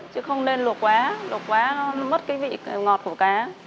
chứ không nên luộc quá luộc quá nó mất vị ngọt của cá